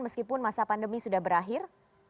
meskipun masa pandemi sudah berakhir